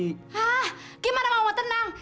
hah gimana mama tenang